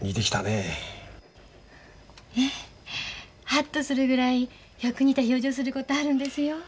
ハッとするぐらいよく似た表情することあるんですよ。